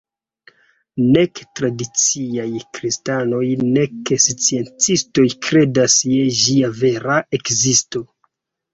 Nek tradiciaj kristanoj nek sciencistoj kredas je ĝia vera ekzisto.